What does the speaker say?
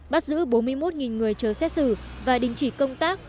bắt giữ bốn mươi một người chờ xét xử và đình chỉ công tác